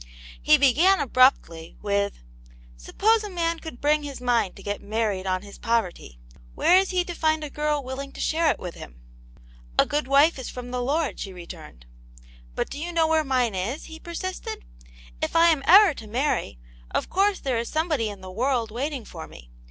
He began abruptly, with, Suppose a man could bring his mind to get mar ried on his poverty, where is he to find a girl willing to share it with him ?' A good wife is from the Lord," she returned. " But do you know where mine is ?" he persisted. *' If I am ever to marry, of course there is somebody in the world waiting for me.